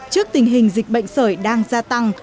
trước tình hình dịch bệnh sởi đang gia tăng